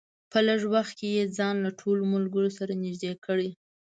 په لږ وخت کې یې ځان له ټولو ملګرو سره نږدې کړی.